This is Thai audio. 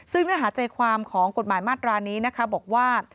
ซึ่งเนื้อหาใจความของกฎหมายมาตรานี้นะคะบอกว่า